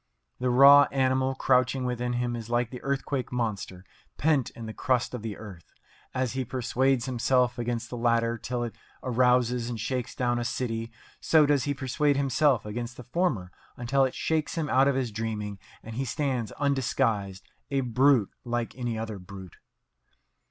The raw animal crouching within him is like the earthquake monster pent in the crust of the earth. As he persuades himself against the latter till it arouses and shakes down a city, so does he persuade himself against the former until it shakes him out of his dreaming and he stands undisguised, a brute like any other brute.